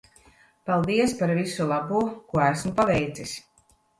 Paldies par visu labo ko esmu paveicis.